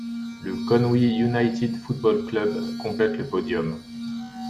Le Conwy United Football Club complète le podium.